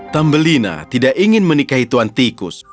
tambelina tidak ingin menikahi tuan tikus